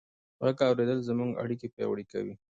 غږ اورېدل زموږ اړیکې پیاوړې کوي.